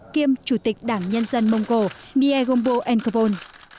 kiêm chủ tịch đảng nhân dân mông cổ mie gombo enkabon